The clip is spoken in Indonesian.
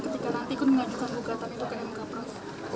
ketika nanti ikut mengajukan bukratan itu ke mkp